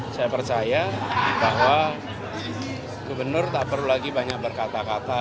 saya percaya bahwa gubernur tak perlu lagi banyak berkata kata